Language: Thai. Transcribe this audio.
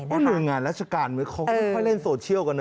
หน่วยงานราชการเขาไม่ค่อยเล่นโซเชียลกันนะ